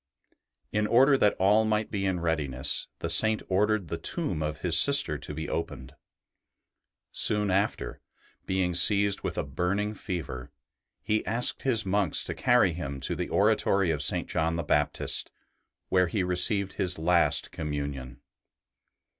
In order that all might be in readiness, the Saint ordered the tomb of his sister to be opened. Soon after, being seized with a burning fever, he asked his monks to carry him to the oratory of St. John the Baptist, where he received his last Communion.